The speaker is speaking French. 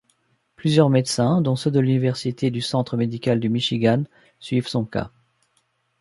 Plusieurs médecins, dont ceux de l'université du centre médical du Michigan, suivent son cas.